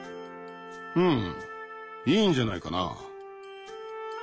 うんいいんじゃないかな。